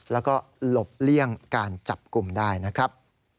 แล้วก็หลบเลี่ยงการจับกลุ่มได้นะครับ